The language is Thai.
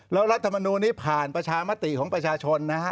แล้วรัฐมนูลนี้ผ่านประชามติของประชาชนนะฮะ